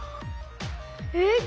えっ